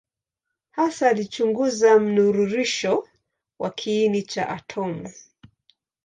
Hasa alichunguza mnururisho wa kiini cha atomu.